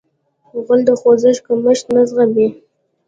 غول د خوځښت کمښت نه زغمي.